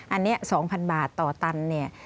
อันนี้๒๐๐๐บาทต่อตันเนี่ย